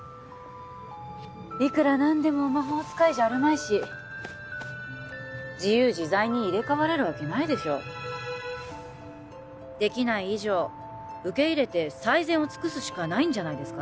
いくら何でも魔法使いじゃあるまいし自由自在に入れ替われるわけないでしょできない以上受け入れて最善を尽くすしかないんじゃないですか？